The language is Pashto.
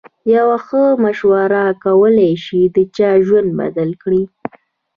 یوه ښه مشوره کولای شي د چا ژوند بدل کړي.